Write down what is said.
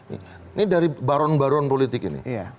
ini dari baron baron politik ini